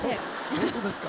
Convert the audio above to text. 本当ですか。